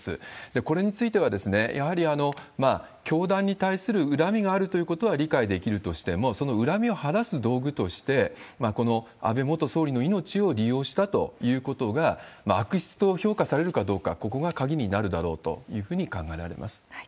これについては、やはり教団に対する恨みがあるということは理解できるとしても、その恨みを晴らす道具として、この安倍元総理の命を利用したということが、悪質と評価されるかどうか、ここが鍵になるだろうというふうに考えられます。